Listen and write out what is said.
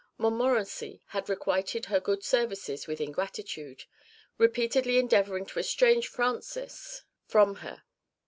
Montmorency had requited her good services with ingratitude, repeatedly endeavouring to estrange Francis from her.